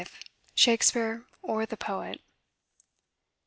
V. SHAKSPEARE; OR, THE POET.